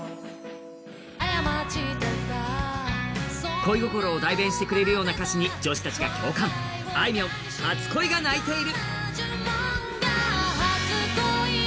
恋心を代弁してくれるような歌詞に女子たちが共感、あいみょん、「初恋が泣いている」。